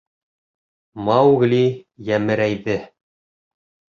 Маугли йәмерәйҙе.